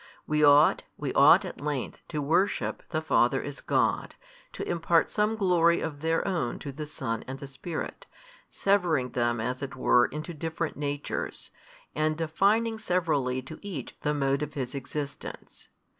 We ought, we ought at length to worship the Father as God, to impart some glory of Their Own to the Son and the Spirit, severing them as it were into different natures, and defining severally to Each the mode of His Existence.